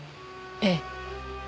ええ。